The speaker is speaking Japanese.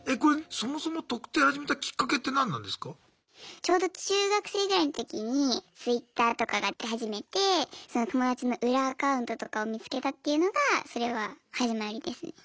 ちょうど中学生ぐらいの時にＴｗｉｔｔｅｒとかが出始めてその友達の裏アカウントとかを見つけたっていうのがそれは始まりですね。